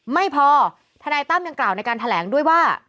ไม่พอทนายตั้มยังกล่าวในการแถลงด้วยว่า